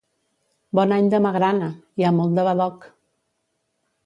Bon any de magrana! Hi ha molt de badoc!